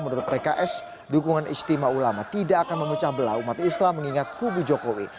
menurut pks dukungan istimewa ulama tidak akan memecah belah umat islam mengingat kubu jokowi